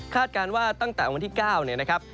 การว่าตั้งแต่วันที่๙เนี่ยนะครับ